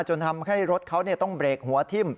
จนทำให้รถเขาต้องเบรกหัวทิ่ม